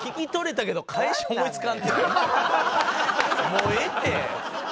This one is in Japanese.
もうええて。